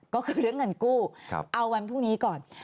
ก็คือเรื่องเงินกู้เอาวันพรุ่งนี้ก่อน